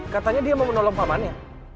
katanya dia mau menolong pamannya